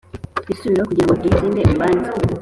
Twisubireho kugira ngo dutsinde urubanza